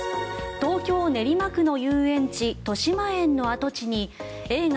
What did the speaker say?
東京・練馬区の遊園地としまえんの跡地に映画